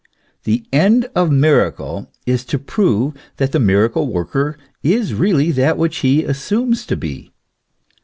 The end of miracle is to prove that the miracle worker is really that which he assumes to be.